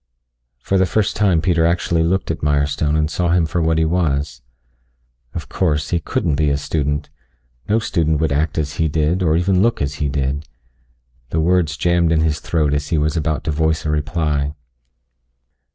For the first time Peter actually looked at Mirestone and saw him for what he was. Of course, he couldn't be a student. No student would act as he did, or even look as he did. The words jammed in his throat as he was about to voice a reply.